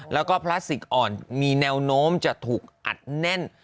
แล้วก็พลาสติกอ่อนมีแนวโน้มจะถูกอัดแน่น